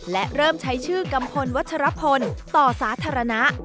และเริ่มใช้ชื่อกัมพลวัชรพลต่อสาธารณะ